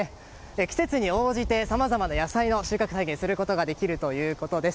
季節に応じて、さまざまな野菜の収穫体験をすることができるということです。